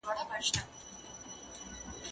زه له سهاره د ښوونځی لپاره امادګي نيسم،